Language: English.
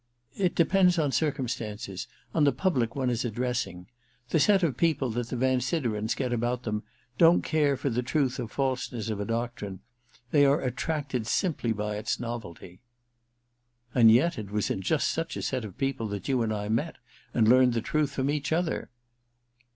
* It depends on circumstances —on the public one is addressing. The set of people that the Van Siderens get about them don*t care for the truth or falseness of a doctrine. They are attracted simply by its novelty.* 2o6 THE RECKONING i * And yet it was in just such a set of people that you and I met, and learned the truth from each other.'